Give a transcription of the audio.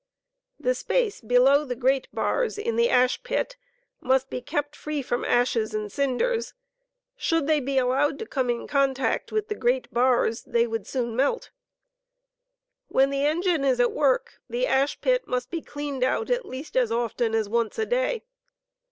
The space below the grate bars in the ash pit must be kept free from ashes and flaea. ' and cinders ; should they be allowed to come in contact with the grate bars they would soon melt When the engine is at work, the ash pit must be cleaned out at least as often as once a day.